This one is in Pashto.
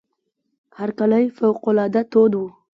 هرکلی فوق العاده تود وو.